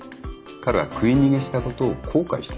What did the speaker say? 彼は食い逃げしたことを後悔した。